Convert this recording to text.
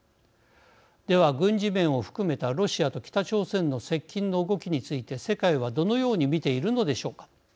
では軍事面を含めたロシアと北朝鮮の接近の動きについて世界はどのように見ているのでしょうか。